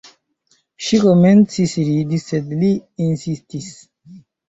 Ŝi komencis ridi, sed li insistis.